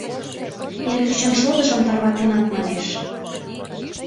Эргычын шодыжым тарватенат, манеш.